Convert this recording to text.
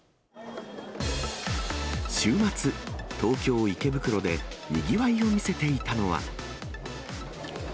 週末、東京・池袋でにぎわいを見せていたのは。